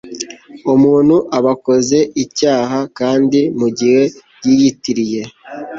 Umuntu aba akoze icyaha kandi mu gihe yiyitiriye